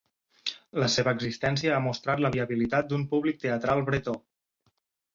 La seva existència ha mostrat la viabilitat d'un públic teatral bretó.